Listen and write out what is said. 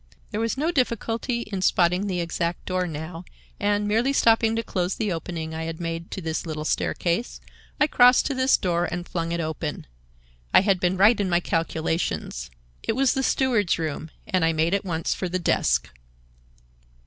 There was no difficulty in spotting the exact door now and, merely stopping to close the opening I had made to this little staircase, I crossed to this door and flung it open. I had been right in my calculations. It was the steward's room, and I made at once for the desk."